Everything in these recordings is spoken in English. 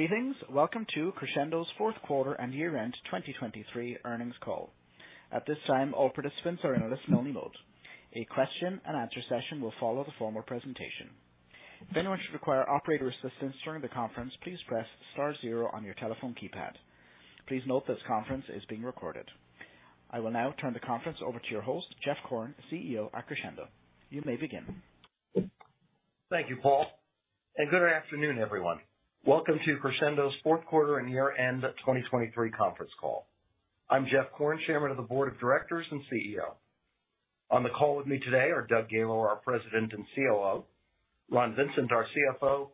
Greetings. Welcome to Crexendo's Fourth Quarter and Year-end 2023 Earnings Call. At this time, all participants are in a listen-only mode. A question-and-answer session will follow the formal presentation. If anyone should require operator assistance during the conference, please press star zero on your telephone keypad. Please note this conference is being recorded. I will now turn the conference over to your host, Jeff Korn, CEO at Crexendo. You may begin. Thank you, Paul. Good afternoon, everyone. Welcome to Crexendo's Fourth Quarter and Year-end 2023 Conference Call. I'm Jeff Korn, Chairman of the Board of Directors and CEO. On the call with me today are Doug Gaylor, our President and COO, Ron Vincent, our CFO,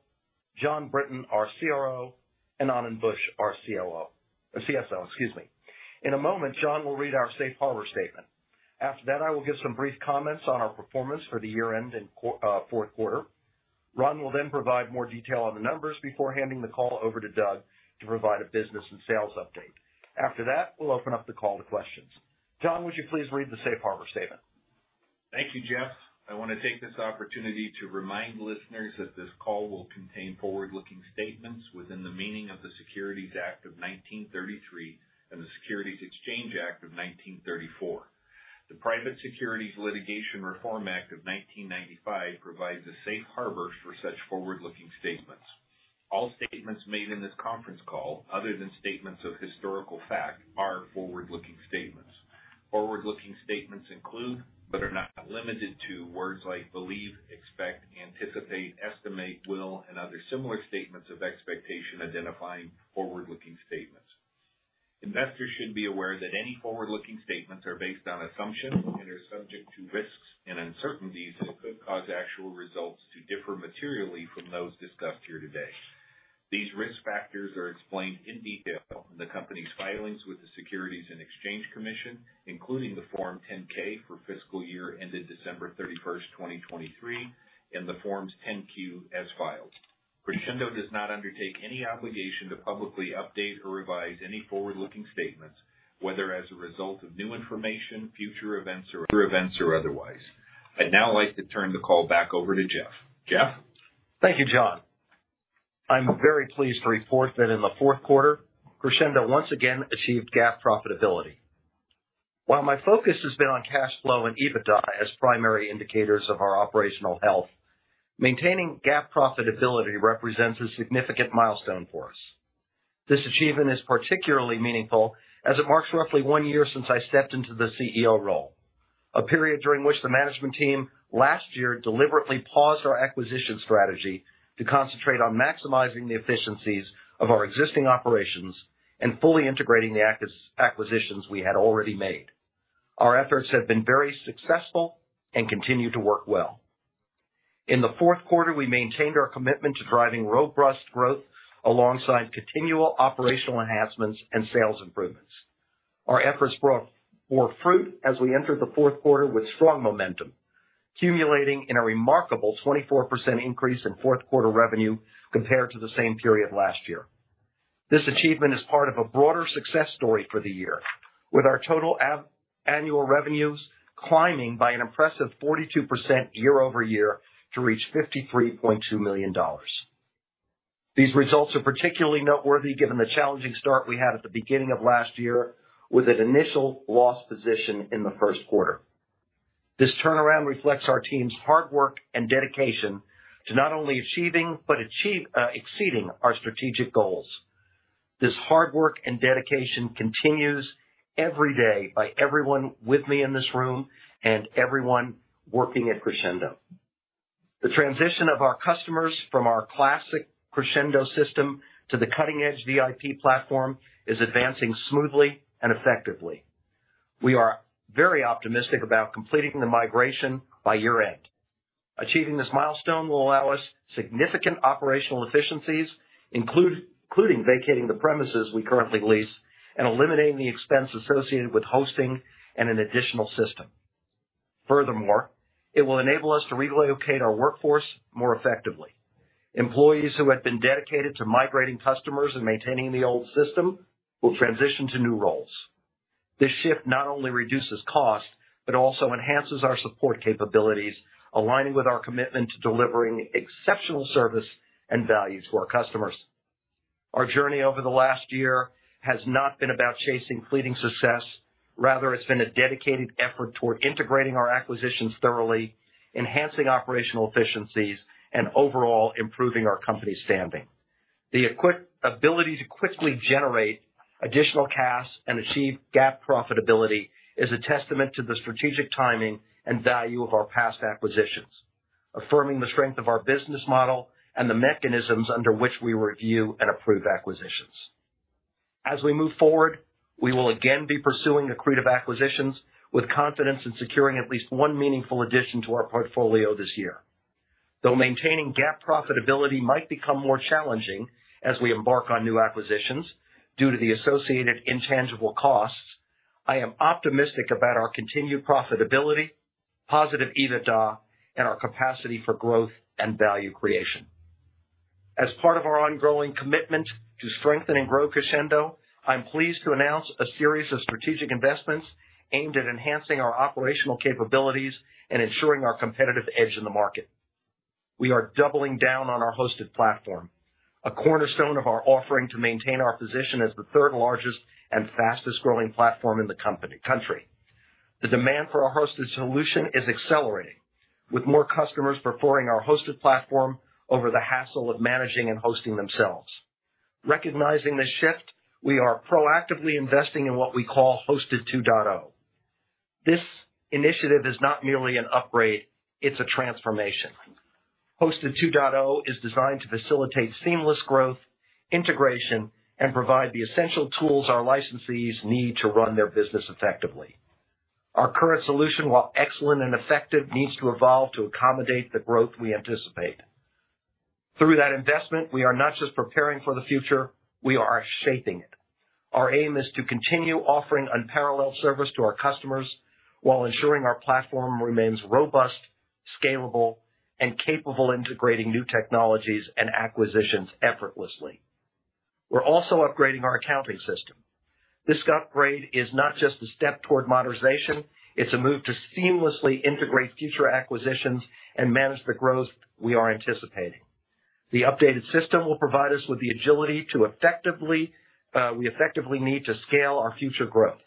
Jon Brinton, our CRO, and Anand Buch, our CSO, excuse me. In a moment, Jon will read our Safe Harbor statement. After that, I will give some brief comments on our performance for the year-end and fourth quarter. Ron will then provide more detail on the numbers before handing the call over to Doug to provide a business and sales update. After that, we'll open up the call to questions. Jon, would you please read the Safe Harbor statement? Thank you, Jeff. I want to take this opportunity to remind listeners that this call will contain forward-looking statements within the meaning of the Securities Act of 1933 and the Securities Exchange Act of 1934. The Private Securities Litigation Reform Act of 1995 provides a safe harbor for such forward-looking statements. All statements made in this conference call, other than statements of historical fact, are forward-looking statements. Forward-looking statements include, but are not limited to, words like believe, expect, anticipate, estimate, will, and other similar statements of expectation identifying forward-looking statements. Investors should be aware that any forward-looking statements are based on assumption and are subject to risks and uncertainties that could cause actual results to differ materially from those discussed here today. These risk factors are explained in detail in the company's filings with the Securities and Exchange Commission, including the Form 10-K for fiscal year ended December 31st, 2023, and the Forms 10-Q as filed. Crexendo does not undertake any obligation to publicly update or revise any forward-looking statements, whether as a result of new information, future events, or otherwise. I'd now like to turn the call back over to Jeff. Jeff? Thank you, Jon. I'm very pleased to report that in the fourth quarter, Crexendo once again achieved GAAP profitability. While my focus has been on cash flow and EBITDA as primary indicators of our operational health, maintaining GAAP profitability represents a significant milestone for us. This achievement is particularly meaningful as it marks roughly one year since I stepped into the CEO role, a period during which the management team last year deliberately paused our acquisition strategy to concentrate on maximizing the efficiencies of our existing operations and fully integrating the acquisitions we had already made. Our efforts have been very successful and continue to work well. In the fourth quarter, we maintained our commitment to driving robust growth alongside continual operational enhancements and sales improvements. Our efforts bore fruit as we entered the fourth quarter with strong momentum, culminating in a remarkable 24% increase in fourth quarter revenue compared to the same period last year. This achievement is part of a broader success story for the year, with our total annual revenues climbing by an impressive 42% year-over-year to reach $53.2 million. These results are particularly noteworthy given the challenging start we had at the beginning of last year with an initial loss position in the first quarter. This turnaround reflects our team's hard work and dedication to not only achieving but exceeding our strategic goals. This hard work and dedication continues every day by everyone with me in this room and everyone working at Crexendo. The transition of our customers from our classic Crexendo system to the cutting-edge VIP platform is advancing smoothly and effectively. We are very optimistic about completing the migration by year-end. Achieving this milestone will allow us significant operational efficiencies, including vacating the premises we currently lease and eliminating the expense associated with hosting and an additional system. Furthermore, it will enable us to relocate our workforce more effectively. Employees who had been dedicated to migrating customers and maintaining the old system will transition to new roles. This shift not only reduces costs but also enhances our support capabilities, aligning with our commitment to delivering exceptional service and value to our customers. Our journey over the last year has not been about chasing fleeting success. Rather, it's been a dedicated effort toward integrating our acquisitions thoroughly, enhancing operational efficiencies, and overall improving our company's standing. The ability to quickly generate additional cash and achieve GAAP profitability is a testament to the strategic timing and value of our past acquisitions, affirming the strength of our business model and the mechanisms under which we review and approve acquisitions. As we move forward, we will again be pursuing accretive acquisitions with confidence in securing at least one meaningful addition to our portfolio this year. Though maintaining GAAP profitability might become more challenging as we embark on new acquisitions due to the associated intangible costs, I am optimistic about our continued profitability, positive EBITDA, and our capacity for growth and value creation. As part of our ongoing commitment to strengthening Crexendo, I'm pleased to announce a series of strategic investments aimed at enhancing our operational capabilities and ensuring our competitive edge in the market. We are doubling down on our hosted platform, a cornerstone of our offering to maintain our position as the third largest and fastest-growing platform in the country. The demand for our hosted solution is accelerating, with more customers preferring our hosted platform over the hassle of managing and hosting themselves. Recognizing this shift, we are proactively investing in what we call Hosted 2.0. This initiative is not merely an upgrade. It's a transformation. Hosted 2.0 is designed to facilitate seamless growth, integration, and provide the essential tools our licensees need to run their business effectively. Our current solution, while excellent and effective, needs to evolve to accommodate the growth we anticipate. Through that investment, we are not just preparing for the future. We are shaping it. Our aim is to continue offering unparalleled service to our customers while ensuring our platform remains robust, scalable, and capable of integrating new technologies and acquisitions effortlessly. We're also upgrading our accounting system. This upgrade is not just a step toward modernization. It's a move to seamlessly integrate future acquisitions and manage the growth we are anticipating. The updated system will provide us with the agility to effectively we effectively need to scale our future growth.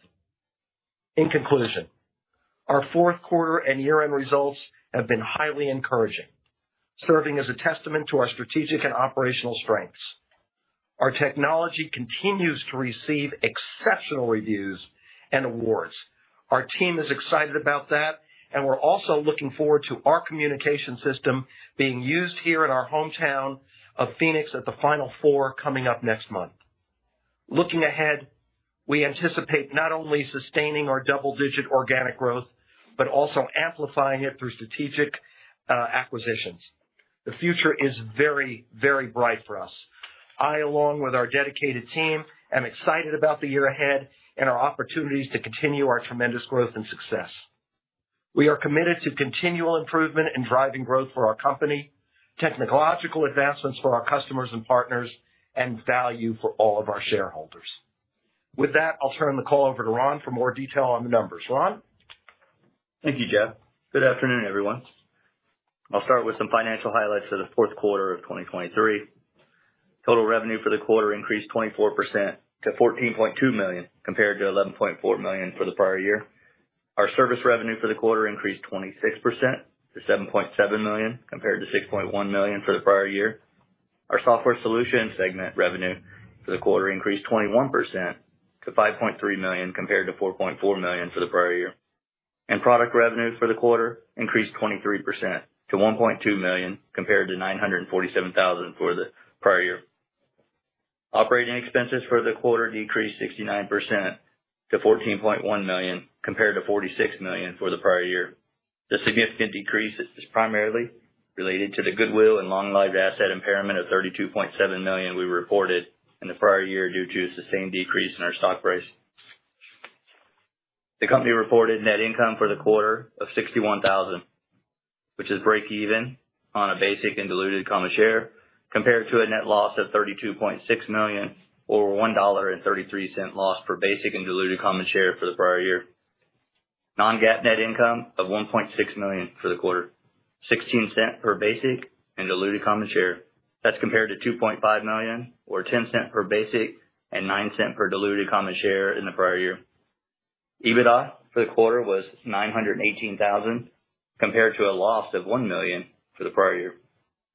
In conclusion, our fourth quarter and year-end results have been highly encouraging, serving as a testament to our strategic and operational strengths. Our technology continues to receive exceptional reviews and awards. Our team is excited about that, and we're also looking forward to our communication system being used here in our hometown of Phoenix at the Final Four coming up next month. Looking ahead, we anticipate not only sustaining our double-digit organic growth but also amplifying it through strategic acquisitions. The future is very, very bright for us. I, along with our dedicated team, am excited about the year ahead and our opportunities to continue our tremendous growth and success. We are committed to continual improvement and driving growth for our company, technological advancements for our customers and partners, and value for all of our shareholders. With that, I'll turn the call over to Ron for more detail on the numbers. Ron? Thank you, Jeff. Good afternoon, everyone. I'll start with some financial highlights for the fourth quarter of 2023. Total revenue for the quarter increased 24% to $14.2 million compared to $11.4 million for the prior year. Our service revenue for the quarter increased 26% to $7.7 million compared to $6.1 million for the prior year. Our software solution segment revenue for the quarter increased 21% to $5.3 million compared to $4.4 million for the prior year. Product revenue for the quarter increased 23% to $1.2 million compared to $947,000 for the prior year. Operating expenses for the quarter decreased 69% to $14.1 million compared to $46 million for the prior year. The significant decrease is primarily related to the goodwill and long-lived asset impairment of $32.7 million we reported in the prior year due to a sustained decrease in our stock price. The company reported net income for the quarter of $61,000, which is break-even on a basic and diluted common share compared to a net loss of $32.6 million or $1.33 loss per basic and diluted common share for the prior year. Non-GAAP net income of $1.6 million for the quarter, $0.16 per basic and diluted common share. That's compared to $2.5 million or $0.10 per basic and $0.09 per diluted common share in the prior year. EBITDA for the quarter was $918,000 compared to a loss of $1 million for the prior year.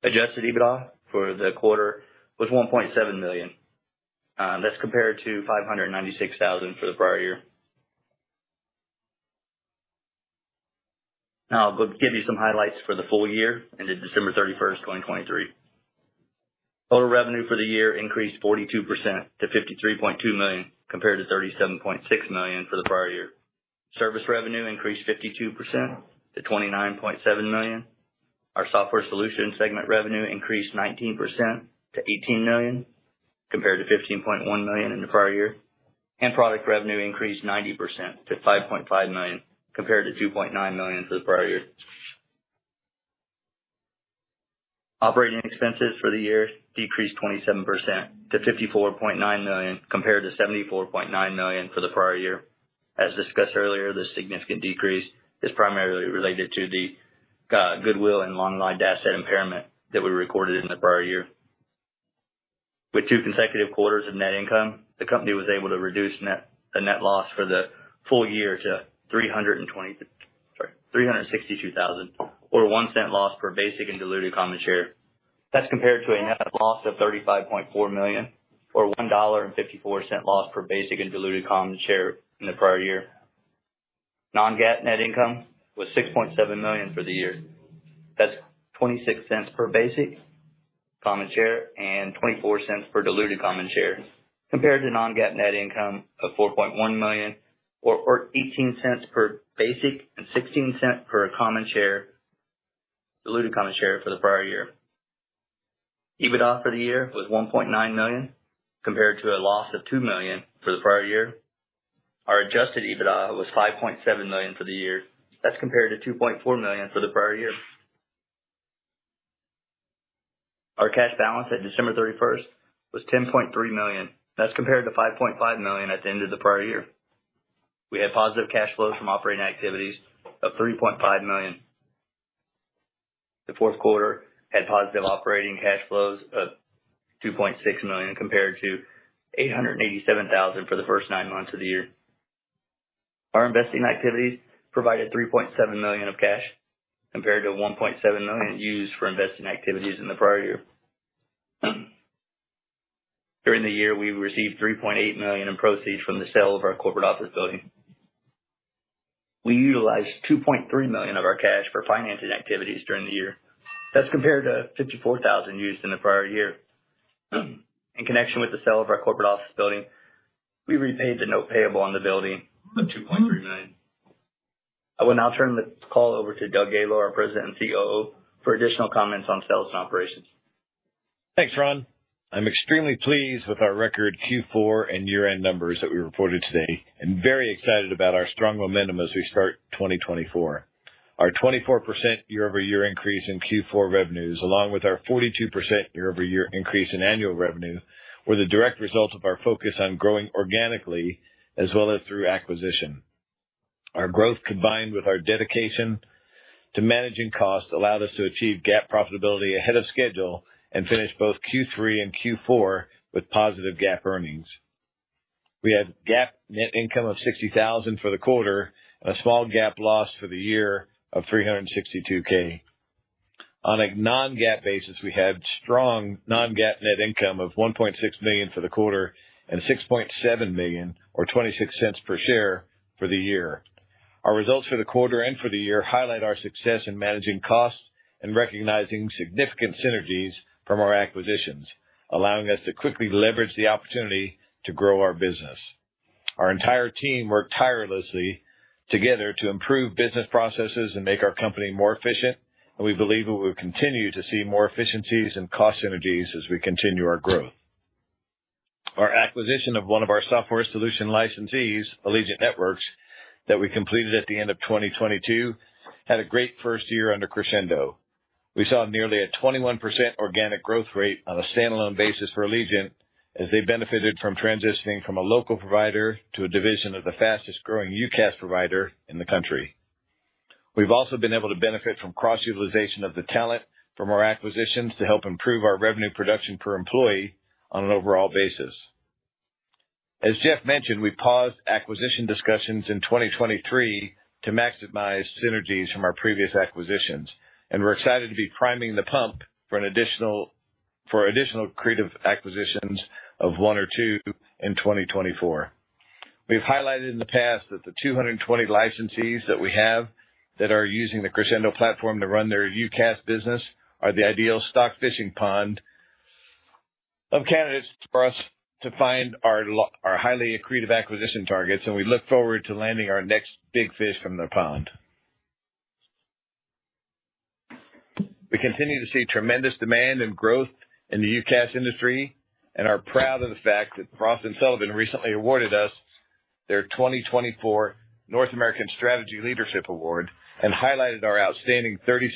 Adjusted EBITDA for the quarter was $1.7 million. That's compared to $596,000 for the prior year. Now, I'll go give you some highlights for the full year ended December 31st, 2023. Total revenue for the year increased 42% to $53.2 million compared to $37.6 million for the prior year. Service revenue increased 52% to $29.7 million. Our software solution segment revenue increased 19% to $18 million compared to $15.1 million in the prior year. Product revenue increased 90% to $5.5 million compared to $2.9 million for the prior year. Operating expenses for the year decreased 27% to $54.9 million compared to $74.9 million for the prior year. As discussed earlier, this significant decrease is primarily related to the goodwill and long-lived asset impairment that we recorded in the prior year. With two consecutive quarters of net income, the company was able to reduce a net loss for the full year to 320—sorry, $362,000 or $0.01 loss per basic and diluted common share. That's compared to a net loss of $35.4 million or $1.54 loss per basic and diluted common share in the prior year. Non-GAAP net income was $6.7 million for the year. That's $0.26 per basic common share and $0.24 per diluted common share compared to non-GAAP net income of $4.1 million or $0.18 per basic and $0.16 per diluted common share for the prior year. EBITDA for the year was $1.9 million compared to a loss of $2 million for the prior year. Our adjusted EBITDA was $5.7 million for the year. That's compared to $2.4 million for the prior year. Our cash balance at December 31st was $10.3 million. That's compared to $5.5 million at the end of the prior year. We had positive cash flows from operating activities of $3.5 million. The fourth quarter had positive operating cash flows of $2.6 million compared to $887,000 for the first nine months of the year. Our investing activities provided $3.7 million of cash compared to $1.7 million used for investing activities in the prior year. During the year, we received $3.8 million in proceeds from the sale of our corporate office building. We utilized $2.3 million of our cash for financing activities during the year. That's compared to $54,000 used in the prior year. In connection with the sale of our corporate office building, we repaid the note payable on the building of $2.3 million. I will now turn the call over to Doug Gaylor, our President and COO, for additional comments on sales and operations. Thanks, Ron. I'm extremely pleased with our record Q4 and year-end numbers that we reported today and very excited about our strong momentum as we start 2024. Our 24% year-over-year increase in Q4 revenues, along with our 42% year-over-year increase in annual revenue, were the direct result of our focus on growing organically as well as through acquisition. Our growth, combined with our dedication to managing costs, allowed us to achieve GAAP profitability ahead of schedule and finish both Q3 and Q4 with positive GAAP earnings. We had GAAP net income of $60,000 for the quarter and a small GAAP loss for the year of $362,000. On a non-GAAP basis, we had strong non-GAAP net income of $1.6 million for the quarter and $6.7 million or $0.26 per share for the year. Our results for the quarter and for the year highlight our success in managing costs and recognizing significant synergies from our acquisitions, allowing us to quickly leverage the opportunity to grow our business. Our entire team worked tirelessly together to improve business processes and make our company more efficient, and we believe that we will continue to see more efficiencies and cost synergies as we continue our growth. Our acquisition of one of our software solution licensees, Allegiant Networks, that we completed at the end of 2022 had a great first year under Crexendo. We saw nearly a 21% organic growth rate on a standalone basis for Allegiant as they benefited from transitioning from a local provider to a division of the fastest-growing UCaaS provider in the country. We've also been able to benefit from cross-utilization of the talent from our acquisitions to help improve our revenue production per employee on an overall basis. As Jeff mentioned, we paused acquisition discussions in 2023 to maximize synergies from our previous acquisitions, and we're excited to be priming the pump for additional creative acquisitions of one or two in 2024. We've highlighted in the past that the 220 licensees that we have that are using the Crexendo platform to run their UCaaS business are the ideal stocking pond of candidates for us to find our highly accretive acquisition targets, and we look forward to landing our next big fish from the pond. We continue to see tremendous demand and growth in the UCaaS industry, and are proud of the fact that Frost & Sullivan recently awarded us their 2024 North American Strategy Leadership Award and highlighted our outstanding 36%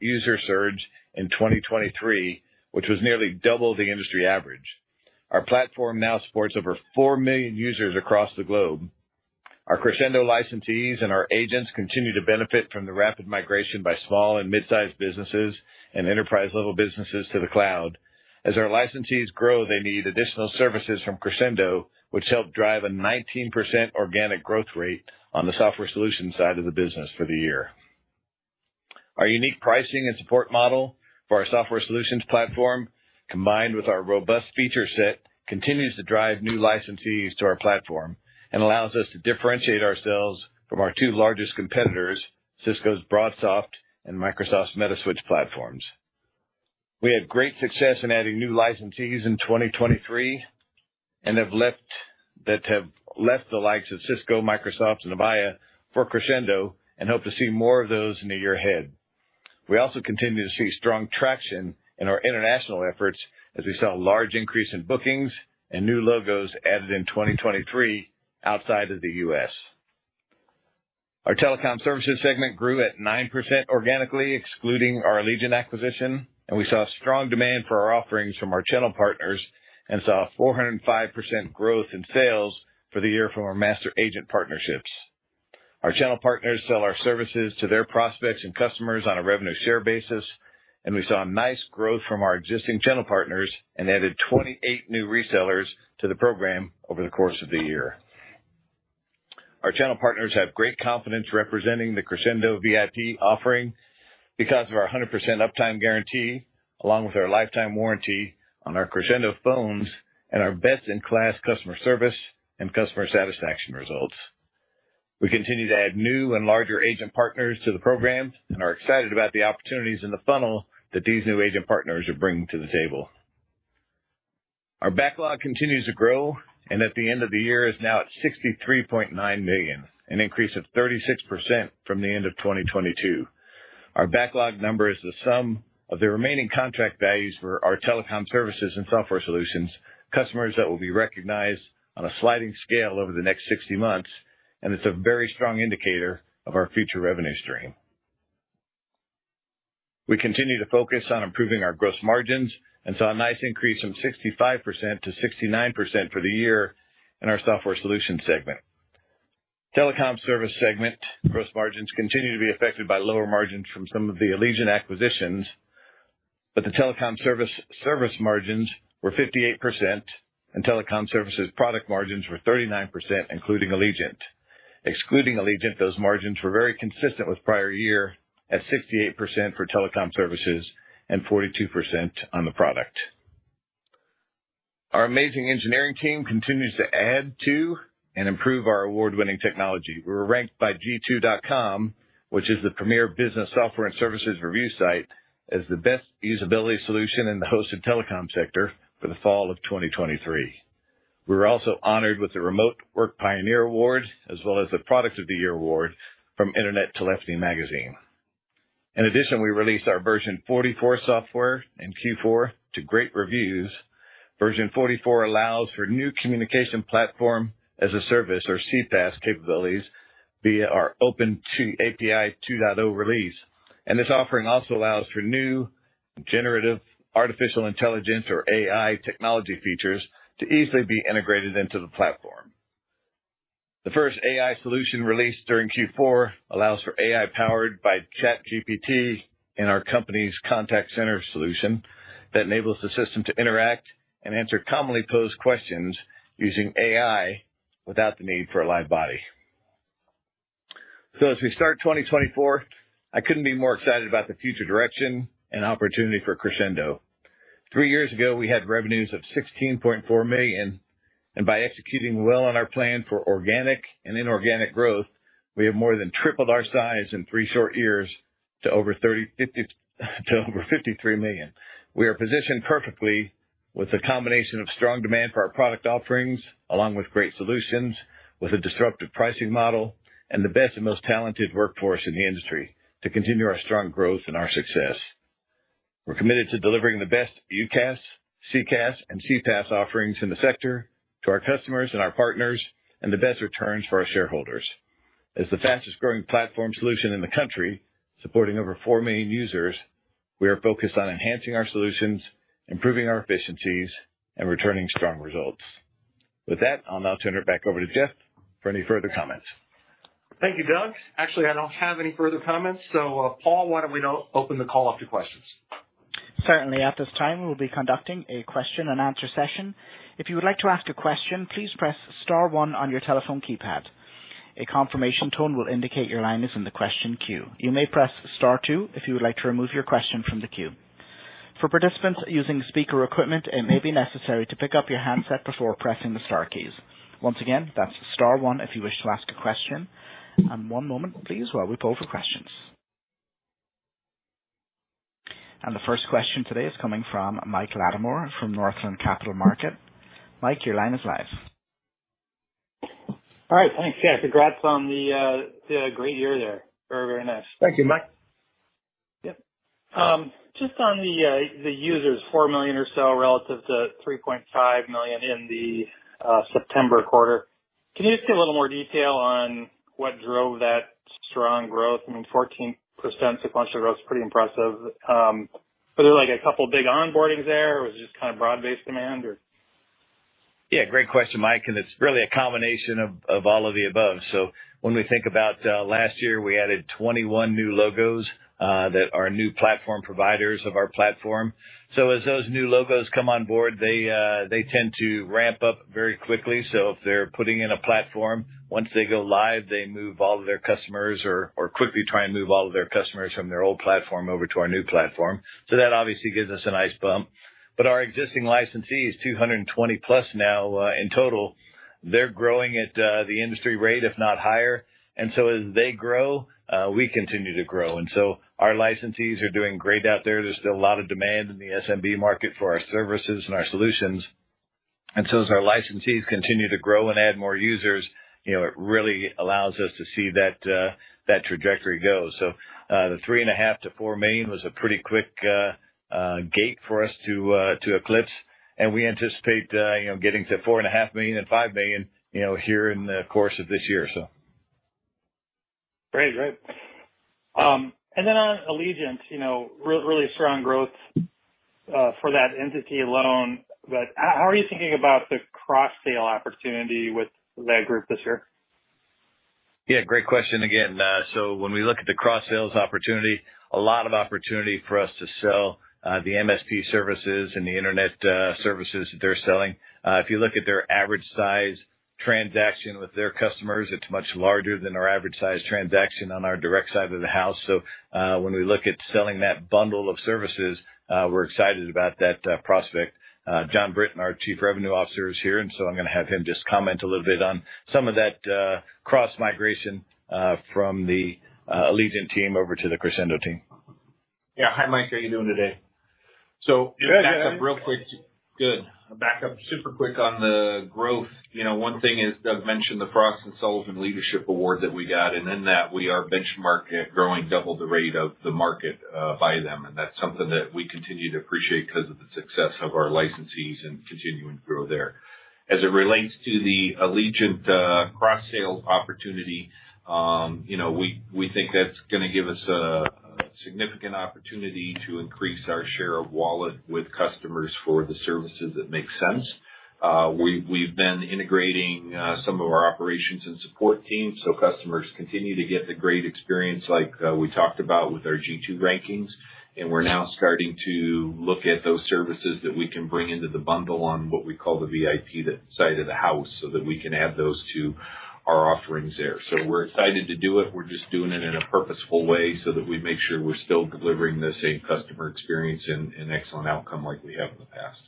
user surge in 2023, which was nearly double the industry average. Our platform now supports over 4 million users across the globe. Our Crexendo licensees and our agents continue to benefit from the rapid migration by small and midsize businesses and enterprise-level businesses to the cloud. As our licensees grow, they need additional services from Crexendo, which help drive a 19% organic growth rate on the software solution side of the business for the year. Our unique pricing and support model for our software solutions platform, combined with our robust feature set, continues to drive new licensees to our platform and allows us to differentiate ourselves from our two largest competitors, Cisco's BroadSoft and Microsoft Metaswitch platforms. We had great success in adding new licensees in 2023 and have left—that have left the likes of Cisco, Microsoft, and Avaya for Crexendo and hope to see more of those in the year ahead. We also continue to see strong traction in our international efforts as we saw a large increase in bookings and new logos added in 2023 outside of the U.S. Our telecom services segment grew at 9% organically, excluding our Allegiant acquisition, and we saw strong demand for our offerings from our channel partners and saw 405% growth in sales for the year from our master agent partnerships. Our channel partners sell our services to their prospects and customers on a revenue share basis, and we saw nice growth from our existing channel partners and added 28 new resellers to the program over the course of the year. Our channel partners have great confidence representing the Crexendo VIP offering because of our 100% uptime guarantee, along with our lifetime warranty on our Crexendo phones and our best-in-class customer service and customer satisfaction results. We continue to add new and larger agent partners to the program and are excited about the opportunities in the funnel that these new agent partners are bringing to the table. Our backlog continues to grow, and at the end of the year, it is now at $63.9 million, an increase of 36% from the end of 2022. Our backlog number is the sum of the remaining contract values for our telecom services and software solutions, customers that will be recognized on a sliding scale over the next 60 months, and it's a very strong indicator of our future revenue stream. We continue to focus on improving our gross margins and saw a nice increase from 65%-69% for the year in our software solution segment. Telecom service segment gross margins continue to be affected by lower margins from some of the Allegiant acquisitions, but the telecom service, service margins were 58%, and telecom services product margins were 39%, including Allegiant. Excluding Allegiant, those margins were very consistent with prior year at 68% for telecom services and 42% on the product. Our amazing engineering team continues to add to and improve our award-winning technology. We were ranked by G2.com, which is the premier business software and services review site, as the best usability solution in the hosted telecom sector for the fall of 2023. We were also honored with the Remote Work Pioneer Award as well as the Product of the Year Award from Internet Telephony magazine. In addition, we released our version 44 software in Q4 to great reviews. Version 44 allows for new communication platform as a service or CPaaS capabilities via our OpenAPI 2.0 release, and this offering also allows for new generative artificial intelligence or AI technology features to easily be integrated into the platform. The first AI solution released during Q4 allows for AI powered by ChatGPT in our company's contact center solution that enables the system to interact and answer commonly posed questions using AI without the need for a live body. So as we start 2024, I couldn't be more excited about the future direction and opportunity for Crexendo. Three years ago, we had revenues of $16.4 million, and by executing well on our plan for organic and inorganic growth, we have more than tripled our size in three short years to over $50 to over $53 million. We are positioned perfectly with a combination of strong demand for our product offerings along with great solutions, with a disruptive pricing model, and the best and most talented workforce in the industry to continue our strong growth and our success. We're committed to delivering the best UCaaS, CPaaS, and CPaaS offerings in the sector to our customers and our partners and the best returns for our shareholders. As the fastest-growing platform solution in the country, supporting over 4 million users, we are focused on enhancing our solutions, improving our efficiencies, and returning strong results. With that, I'll now turn it back over to Jeff for any further comments. Thank you, Doug. Actually, I don't have any further comments. So, Paul, why don't we open the call up to questions? Certainly. At this time, we will be conducting a question-and-answer session. If you would like to ask a question, please press star one on your telephone keypad. A confirmation tone will indicate your line is in the question queue. You may press star two if you would like to remove your question from the queue. For participants using speaker equipment, it may be necessary to pick up your handset before pressing the star keys. Once again, that's star one if you wish to ask a question. One moment, please, while we pull for questions. The first question today is coming from Mike Latimore from Northland Capital Markets. Mike, your line is live. All right. Thanks, Jeff. Congrats on the great year there. Very, very nice. Thank you, Mike. Yep. Just on the, the users, 4 million or so relative to 3.5 million in the September quarter, can you just give a little more detail on what drove that strong growth? I mean, 14% sequential growth's pretty impressive. Were there, like, a couple big onboardings there, or was it just kind of broad-based demand, or? Yeah. Great question, Mike, and it's really a combination of, of all of the above. So when we think about, last year, we added 21 new logos, that are new platform providers of our platform. So as those new logos come on board, they, they tend to ramp up very quickly. So if they're putting in a platform, once they go live, they move all of their customers or, or quickly try and move all of their customers from their old platform over to our new platform. So that obviously gives us a nice bump. But our existing licensees, 220-plus now, in total, they're growing at, the industry rate, if not higher. And so as they grow, we continue to grow. And so our licensees are doing great out there. There's still a lot of demand in the SMB market for our services and our solutions. And so as our licensees continue to grow and add more users, you know, it really allows us to see that trajectory go. So, the 3.5-4 million was a pretty quick gate for us to eclipse, and we anticipate, you know, getting to 4.5 million and 5 million, you know, here in the course of this year, so. Great. Great. And then on Allegiant, you know, real, really strong growth for that entity alone. But how are you thinking about the cross-sale opportunity with that group this year? Yeah. Great question again. So when we look at the cross-sales opportunity, a lot of opportunity for us to sell the MSP services and the internet services that they're selling. If you look at their average-size transaction with their customers, it's much larger than our average-size transaction on our direct side of the house. So, when we look at selling that bundle of services, we're excited about that prospect. Jon Brinton, our Chief Revenue Officer, is here, and so I'm gonna have him just comment a little bit on some of that cross-migration from the Allegiant team over to the Crexendo team. Yeah. Hi, Mike. How are you doing today? So backup real quick. Good. Good. Back up super quick on the growth. You know, one thing is Doug mentioned the Frost & Sullivan Leadership Award that we got, and in that, we are benchmarked at growing double the rate of the market, by them. That's something that we continue to appreciate 'cause of the success of our licensees and continuing to grow there. As it relates to the Allegiant, cross-sales opportunity, you know, we, we think that's gonna give us a, a significant opportunity to increase our share of wallet with customers for the services that make sense. We've, we've been integrating some of our operations and support teams, so customers continue to get the great experience like we talked about with our G2 rankings. And we're now starting to look at those services that we can bring into the bundle on what we call the VIP that side of the house so that we can add those to our offerings there. So we're excited to do it. We're just doing it in a purposeful way so that we make sure we're still delivering the same customer experience and excellent outcome like we have in the past.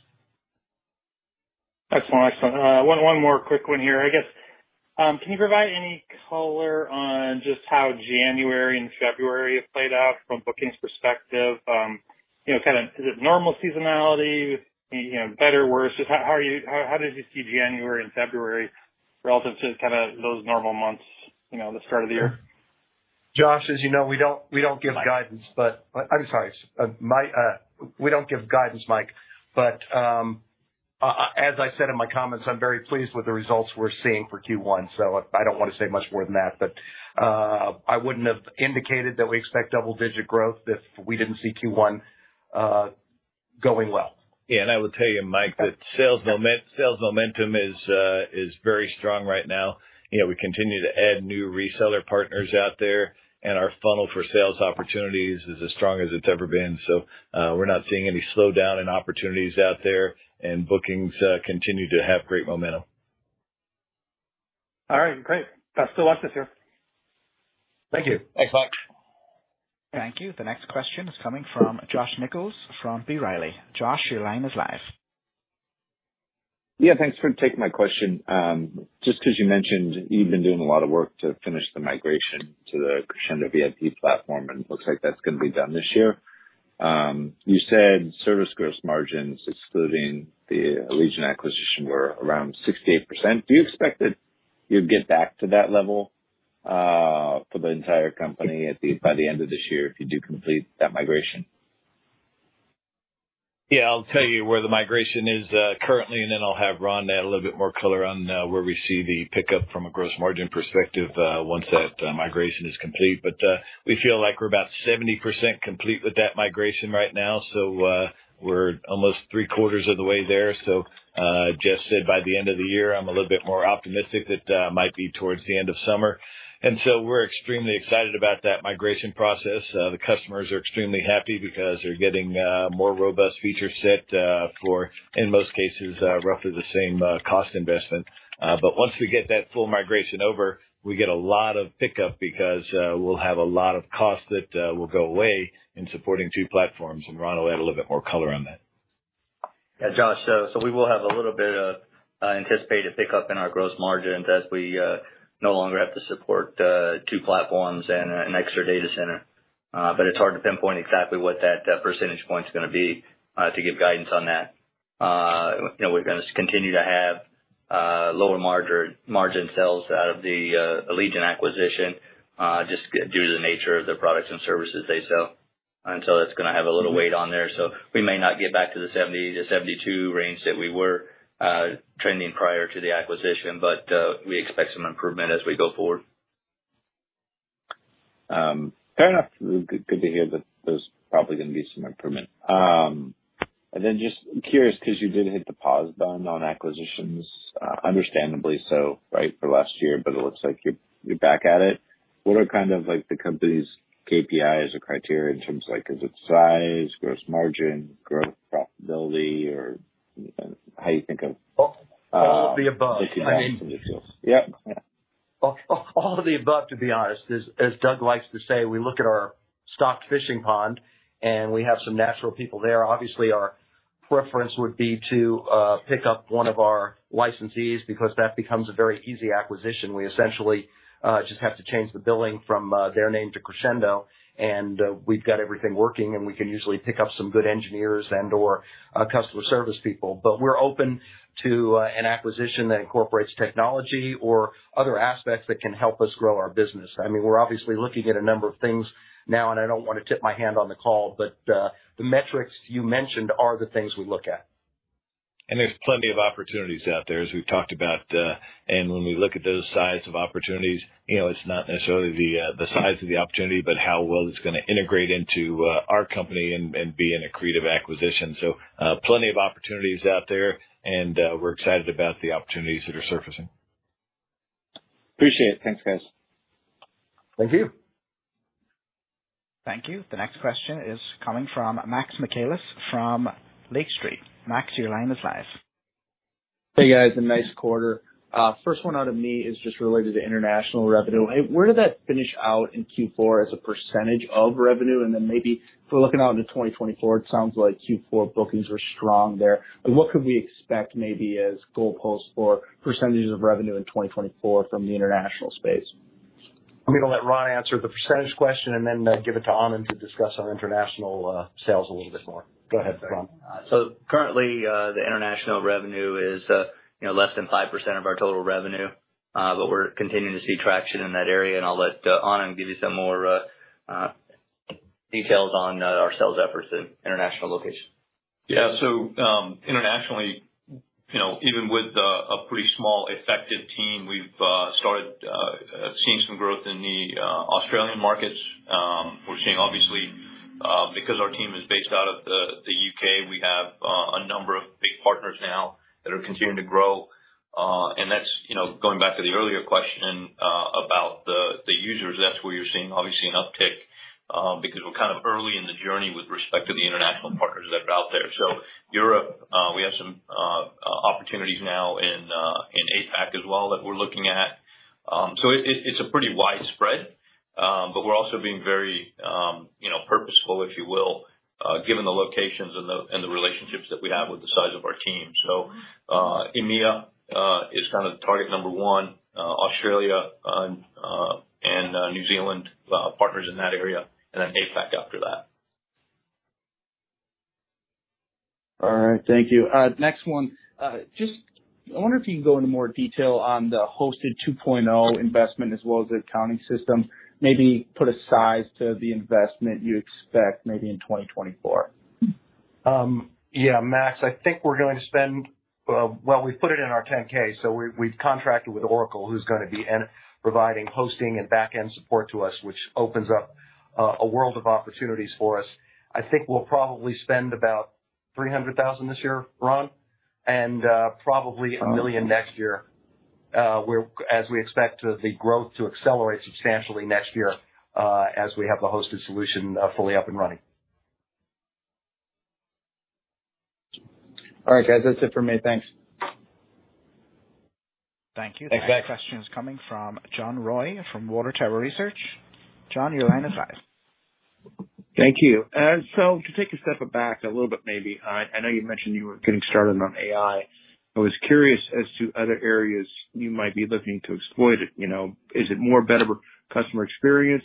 Excellent. Excellent. One more quick one here. I guess, can you provide any color on just how January and February have played out from a bookings perspective? You know, kind of is it normal seasonality with, you know, better, worse? Just how did you see January and February relative to kind of those normal months, you know, the start of the year? Josh, as you know, we don't give guidance, but I'm sorry. We don't give guidance, Mike. But, as I said in my comments, I'm very pleased with the results we're seeing for Q1, so I don't wanna say much more than that. But, I wouldn't have indicated that we expect double-digit growth if we didn't see Q1 going well. Yeah. And I will tell you, Mike, that sales momentum is very strong right now. You know, we continue to add new reseller partners out there, and our funnel for sales opportunities is as strong as it's ever been. So, we're not seeing any slowdown in opportunities out there, and bookings continue to have great momentum. All right. Great. Best of luck this year. Thank you. Thanks, Mike. Thank you. The next question is coming from Josh Nichols from B. Riley. Josh, your line is live. Yeah. Thanks for taking my question. Just 'cause you mentioned you've been doing a lot of work to finish the migration to the Crexendo VIP platform, and it looks like that's gonna be done this year. You said service gross margins excluding the Allegiant acquisition were around 68%. Do you expect that you'd get back to that level for the entire company by the end of this year if you do complete that migration? Yeah. I'll tell you where the migration is, currently, and then I'll have Ron add a little bit more color on, where we see the pickup from a gross margin perspective, once that, migration is complete. But, we feel like we're about 70% complete with that migration right now, so, we're almost three-quarters of the way there. So, Jeff said by the end of the year, I'm a little bit more optimistic that, it might be towards the end of summer. And so we're extremely excited about that migration process. The customers are extremely happy because they're getting, more robust feature set, for in most cases, roughly the same, cost investment. But once we get that full migration over, we get a lot of pickup because we'll have a lot of cost that will go away in supporting two platforms, and Ron will add a little bit more color on that. Yeah. Josh, so, so we will have a little bit of anticipated pickup in our gross margins as we no longer have to support two platforms and an extra data center. But it's hard to pinpoint exactly what that percentage point's gonna be to give guidance on that. You know, we're gonna continue to have lower margin sales out of the Allegiant acquisition, just due to the nature of the products and services they sell. And so that's gonna have a little weight on there. So we may not get back to the 70%-72% range that we were trending prior to the acquisition, but we expect some improvement as we go forward. Fair enough. Good, good to hear that there's probably gonna be some improvement. And then just curious 'cause you did hit the pause button on acquisitions, understandably so, right, for last year, but it looks like you're, you're back at it. What are kind of, like, the company's KPIs or criteria in terms of, like, is it size, gross margin, growth, profitability, or how do you think of, Well, all of the above. I mean. Yeah. All of the above, to be honest. As Doug likes to say, we look at our stocked fishing pond, and we have some natural people there. Obviously, our preference would be to pick up one of our licensees because that becomes a very easy acquisition. We essentially just have to change the billing from their name to Crexendo, and we've got everything working, and we can usually pick up some good engineers and/or customer service people. But we're open to an acquisition that incorporates technology or other aspects that can help us grow our business. I mean, we're obviously looking at a number of things now, and I don't wanna tip my hand on the call, but the metrics you mentioned are the things we look at. There's plenty of opportunities out there, as we've talked about, and when we look at those types of opportunities, you know, it's not necessarily the size of the opportunity, but how well it's gonna integrate into our company and be an accretive acquisition. Plenty of opportunities out there, and we're excited about the opportunities that are surfacing. Appreciate it. Thanks, guys. Thank you. Thank you. The next question is coming from Max Michaelis from Lake Street. Max, your line is live. Hey, guys. A nice quarter. First one out of me is just related to international revenue. Hey, where did that finish out in Q4 as a percentage of revenue? And then maybe if we're looking out into 2024, it sounds like Q4 bookings were strong there. What could we expect maybe as goalposts for percentages of revenue in 2024 from the international space? I'm gonna let Ron answer the percentage question and then give it to Anand to discuss our international sales a little bit more. Go ahead, Ron. Okay. So currently, the international revenue is, you know, less than 5% of our total revenue, but we're continuing to see traction in that area. I'll let Anand give you some more details on our sales efforts and international location. Yeah. So, internationally, you know, even with a pretty small effective team, we've started seeing some growth in the Australian markets. We're seeing, obviously, because our team is based out of the U.K., we have a number of big partners now that are continuing to grow. And that's, you know, going back to the earlier question about the users, that's where you're seeing, obviously, an uptick, because we're kind of early in the journey with respect to the international partners that are out there. So Europe, we have some opportunities now in APAC as well that we're looking at. So it, it's a pretty widespread, but we're also being very, you know, purposeful, if you will, given the locations and the relationships that we have with the size of our team. So, EMEA is kind of target number one. Australia, and New Zealand, partners in that area, and then APAC after that. All right. Thank you. Next one. Just I wonder if you can go into more detail on the Hosted 2.0 investment as well as the accounting system. Maybe put a size to the investment you expect maybe in 2024. Yeah, Max. I think we're going to spend, well, we've put it in our 10-K, so we've contracted with Oracle, who's gonna be and providing hosting and backend support to us, which opens up a world of opportunities for us. I think we'll probably spend about $300,000 this year, Ron, and probably $1 million next year. We're as we expect the growth to accelerate substantially next year, as we have the Hosted solution fully up and running. All right, guys. That's it for me. Thanks. Thank you. Next question is coming from John Roy from WaterTower Research. John, your line is live. Thank you. So to take a step back a little bit maybe, I, I know you mentioned you were getting started on AI. I was curious as to other areas you might be looking to exploit it. You know, is it more better customer experience,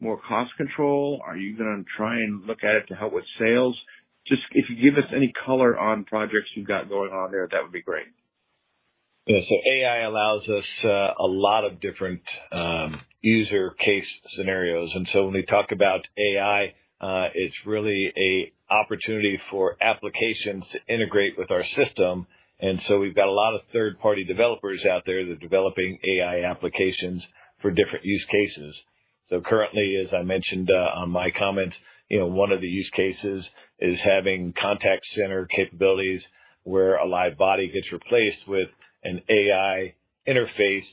more cost control? Are you gonna try and look at it to help with sales? Just if you give us any color on projects you've got going on there, that would be great. Yeah. So AI allows us a lot of different use case scenarios. And so when we talk about AI, it's really an opportunity for applications to integrate with our system. And so we've got a lot of third-party developers out there that are developing AI applications for different use cases. So currently, as I mentioned, on my comments, you know, one of the use cases is having contact center capabilities where a live body gets replaced with an AI interface,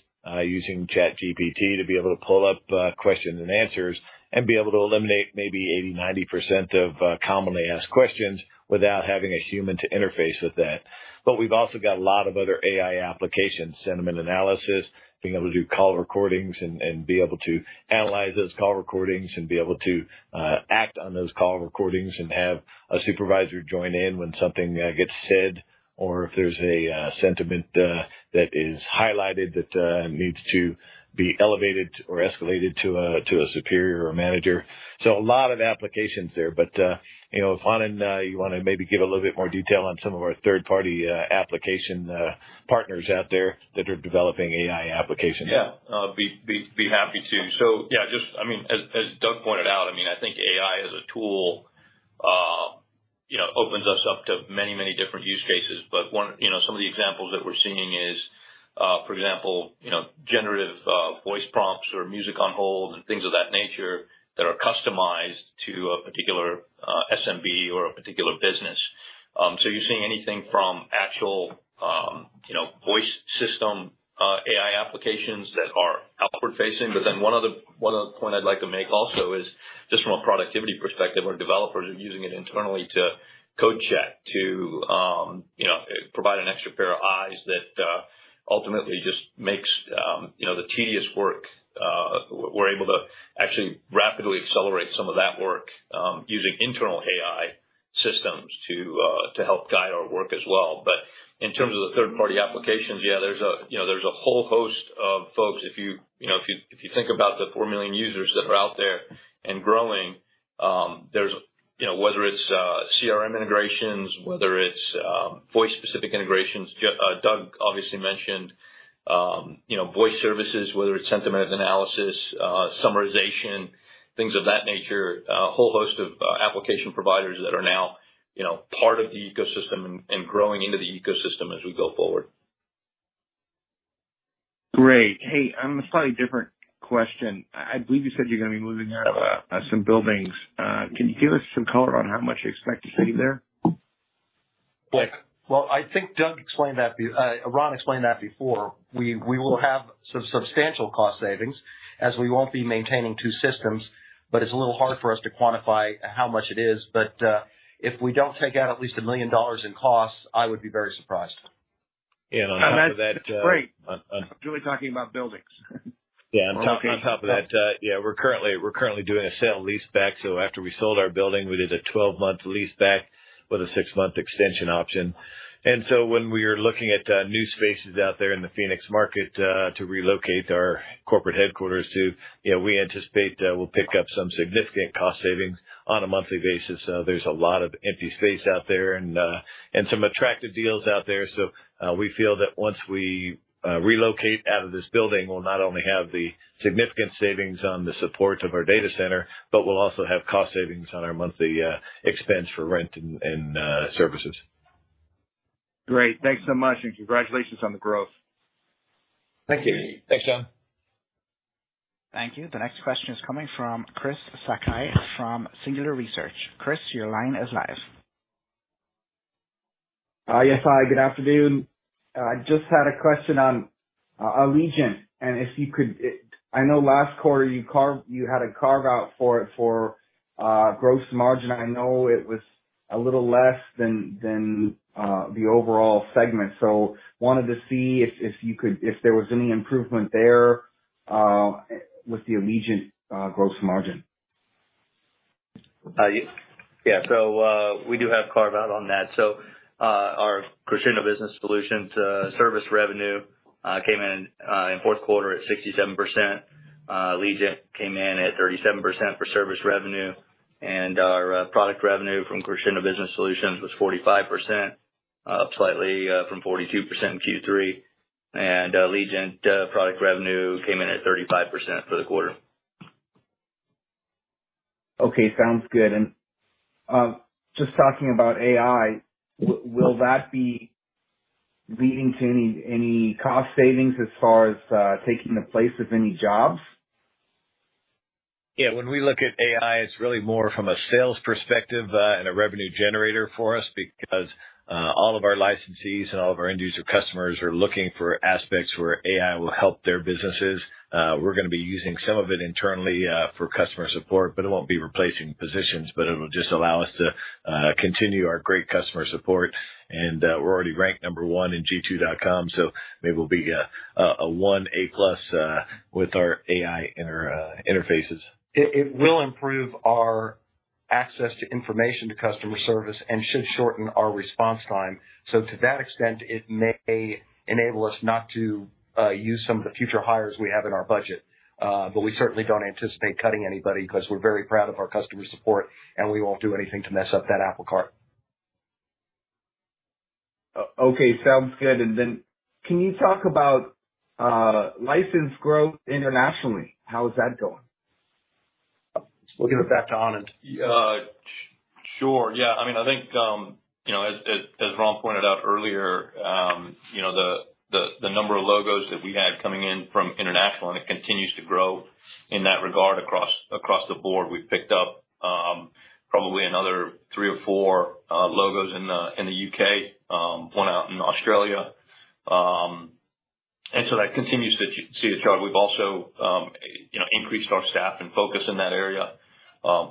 using ChatGPT to be able to pull up questions and answers and be able to eliminate maybe 80%-90% of commonly asked questions without having a human to interface with that. But we've also got a lot of other AI applications: sentiment analysis, being able to do call recordings and be able to analyze those call recordings and be able to act on those call recordings and have a supervisor join in when something gets said or if there's a sentiment that is highlighted that needs to be elevated or escalated to a superior or manager. So a lot of applications there. But, you know, if Anand, you wanna maybe give a little bit more detail on some of our third-party application partners out there that are developing AI applications. Yeah. I'll be happy to. So yeah, just I mean, as Doug pointed out, I mean, I think AI as a tool, you know, opens us up to many, many different use cases. But one, you know, some of the examples that we're seeing is, for example, you know, generative voice prompts or music on hold and things of that nature that are customized to a particular SMB or a particular business. So you're seeing anything from actual, you know, voice system AI applications that are outward-facing. But then one other point I'd like to make also is just from a productivity perspective, our developers are using it internally to code check, to, you know, provide an extra pair of eyes that ultimately just makes, you know, the tedious work. We're able to actually rapidly accelerate some of that work using internal AI systems to help guide our work as well. But in terms of the third-party applications, yeah, there's, you know, a whole host of folks. If you know, if you think about the 4 million users that are out there and growing, there's, you know, whether it's CRM integrations, whether it's voice-specific integrations just Doug obviously mentioned, you know, voice services, whether it's sentiment analysis, summarization, things of that nature, a whole host of application providers that are now, you know, part of the ecosystem and growing into the ecosystem as we go forward. Great. Hey, I'm a slightly different question. I believe you said you're gonna be moving out of some buildings. Can you give us some color on how much you expect to save there? Well, I think Doug explained that, but Ron explained that before. We will have some substantial cost savings as we won't be maintaining two systems, but it's a little hard for us to quantify how much it is. But if we don't take out at least $1 million in costs, I would be very surprised. And on top of that, That's great. On, on. I'm really talking about buildings. Yeah. On top. Okay. On top of that, yeah, we're currently doing a sale lease back. So after we sold our building, we did a 12-month lease back with a 6-month extension option. And so when we are looking at new spaces out there in the Phoenix market to relocate our corporate headquarters to, you know, we anticipate we'll pick up some significant cost savings on a monthly basis. There's a lot of empty space out there and some attractive deals out there. So we feel that once we relocate out of this building, we'll not only have the significant savings on the support of our data center, but we'll also have cost savings on our monthly expense for rent and services. Great. Thanks so much, and congratulations on the growth. Thank you. Thanks, John. Thank you. The next question is coming from Chris Sakai from Singular Research. Chris, your line is live. Yes, hi. Good afternoon. I just had a question on Allegiant, and if you could. I know last quarter, you had a carve-out for gross margin. I know it was a little less than the overall segment. So wanted to see if there was any improvement there with the Allegiant gross margin. Yeah. So, we do have carve-out on that. So, our Crexendo Business Solutions service revenue came in in fourth quarter at 67%. Allegiant came in at 37% for service revenue. And our product revenue from Crexendo Business Solutions was 45%, up slightly from 42% in Q3. And Allegiant product revenue came in at 35% for the quarter. Okay. Sounds good. Just talking about AI, will that be leading to any, any cost savings as far as taking the place of any jobs? Yeah. When we look at AI, it's really more from a sales perspective, and a revenue generator for us because all of our licensees and all of our end-user customers are looking for aspects where AI will help their businesses. We're gonna be using some of it internally for customer support, but it won't be replacing positions, but it'll just allow us to continue our great customer support. We're already ranked number 1 in G2.com, so maybe we'll be a 1 A-plus with our AI interfaces. It will improve our access to information to customer service and should shorten our response time. So to that extent, it may enable us not to use some of the future hires we have in our budget. But we certainly don't anticipate cutting anybody 'cause we're very proud of our customer support, and we won't do anything to mess up that apple cart. Okay. Sounds good. And then can you talk about license growth internationally? How is that going? We'll give it back to Anand. Sure. Yeah. I mean, I think, you know, as Ron pointed out earlier, you know, the number of logos that we had coming in from international, and it continues to grow in that regard across the board. We've picked up, probably another three or four logos in the U.K., one out in Australia. And so that continues to see a chart. We've also, you know, increased our staff and focus in that area,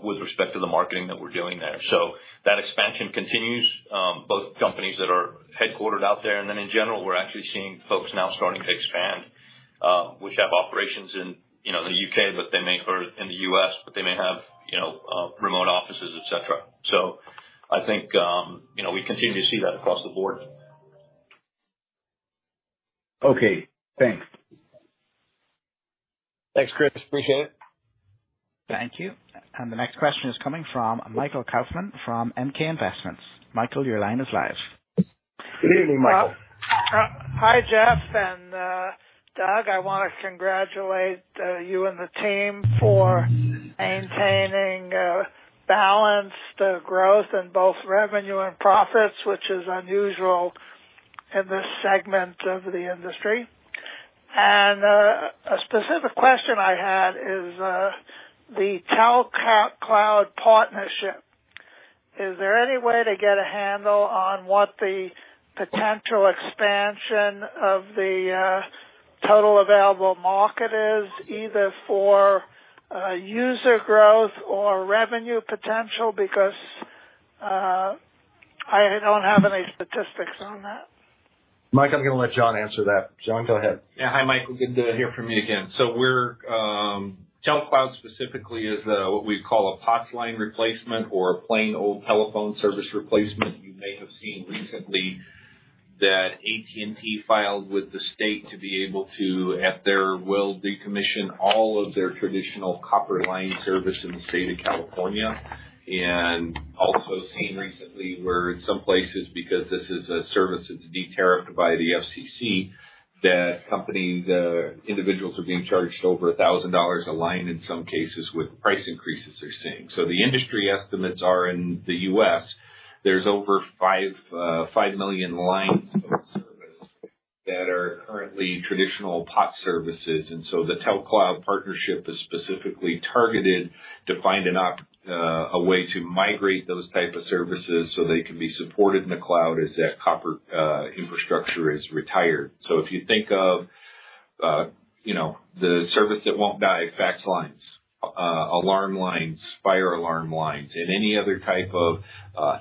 with respect to the marketing that we're doing there. So that expansion continues, both companies that are headquartered out there. And then in general, we're actually seeing folks now starting to expand, which have operations in, you know, the U.K., but they may or in the U.S., but they may have, you know, remote offices, etc. So I think, you know, we continue to see that across the board. Okay. Thanks. Thanks, Chris. Appreciate it. Thank you. The next question is coming from Michael Kaufman from MK Investments. Michael, your line is live. Good evening, Michael. Hi, Jeff. And Doug, I wanna congratulate you and the team for maintaining balanced growth in both revenue and profits, which is unusual in this segment of the industry. A specific question I had is the TelCloud partnership. Is there any way to get a handle on what the potential expansion of the total available market is, either for user growth or revenue potential? Because I don't have any statistics on that. Mike, I'm gonna let John answer that. Jon, go ahead. Yeah. Hi, Michael. Good to hear from you again. So we're, TelCloud specifically is, what we call a POTS line replacement or a plain old telephone service replacement you may have seen recently that AT&T filed with the state to be able to, at their will, decommission all of their traditional copper line service in the state of California. And also seen recently where in some places, because this is a service that's detariffed by the FCC, that companies, individuals are being charged over $1,000 a line in some cases with price increases they're seeing. So the industry estimates are in the U.S., there's over 5 million lines of service that are currently traditional POTS services. The TelCloud partnership is specifically targeted to find a way to migrate those type of services so they can be supported in the cloud as that copper infrastructure is retired. So if you think of, you know, the service that won't die, fax lines, alarm lines, fire alarm lines, and any other type of,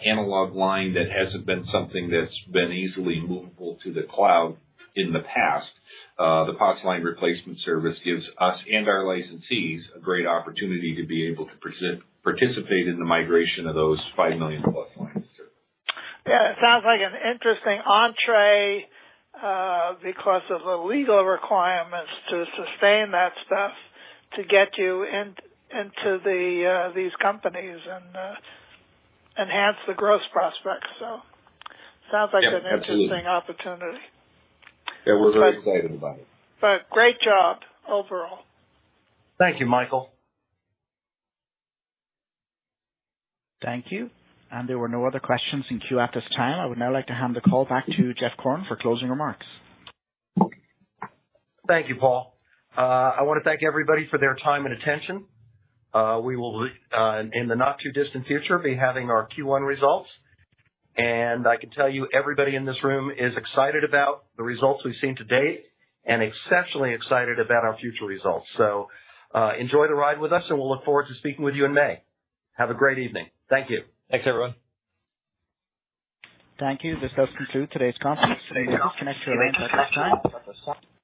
analog line that hasn't been something that's been easily movable to the cloud in the past, the POTS line replacement service gives us and our licensees a great opportunity to be able to participate in the migration of those 5 million-plus lines of service. Yeah. It sounds like an interesting entrée, because of the legal requirements to sustain that stuff to get you in-into the, these companies and, enhance the growth prospects. So sounds like an interesting. Yeah. Absolutely. Opportunity. Yeah. We're very excited about it. But great job overall. Thank you, Michael. Thank you. There were no other questions in queue at this time. I would now like to hand the call back to Jeff Korn for closing remarks. Thank you, Paul. I wanna thank everybody for their time and attention. We will, in the not-too-distant future, be having our Q1 results. And I can tell you, everybody in this room is excited about the results we've seen to date and exceptionally excited about our future results. So, enjoy the ride with us, and we'll look forward to speaking with you in May. Have a great evening. Thank you. Thanks, everyone. Thank you. This does conclude today's conference. Thank you. We'll connect your lines at this time.